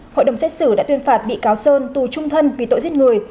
hội đồng xét xử đã tuyên phạt bị cáo sơn tù trung thân vì tội giết người